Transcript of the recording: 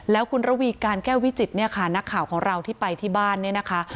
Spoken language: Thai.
แล้วคุณระวีการแก้ววิจิตเนี่ยค่ะนักข่าวของเราที่ไปที่บ้านเนี่ยนะคะ